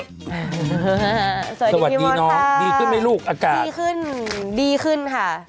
สวัสดีพี่มดน้องดีขึ้นไหมลูกอาการดีขึ้นดีขึ้นค่ะ